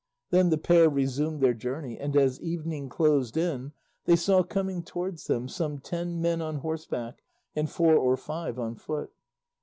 Then the pair resumed their journey, and as evening closed in they saw coming towards them some ten men on horseback and four or five on foot.